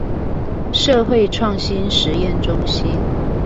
社會創新實驗中心